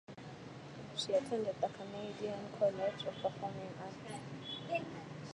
She attended the Canadian College of Performing Arts.